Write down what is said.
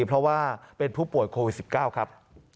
เพราะว่าเป็นผู้ป่วยโควิด๑๙ครับ